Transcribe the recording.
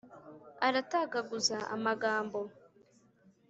aratagaguza amagambo.